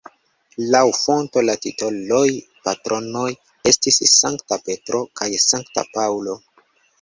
Laŭ fonto la titoloj (patronoj) estis Sankta Petro kaj Sankta Paŭlo.